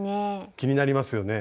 気になりますよね